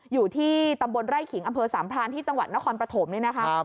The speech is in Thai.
อยู่ที่ตำบลไร่ขิงอำเภอสามพรานที่จังหวัดนครปฐมนี่นะคะ